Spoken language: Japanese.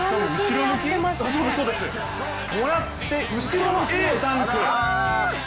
もらって後ろ向きのダンク。